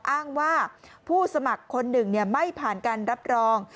อ้างว่าผู้สมัครคนหนึ่งไม่ผ่านการรับรอง